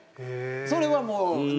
それはもう全然。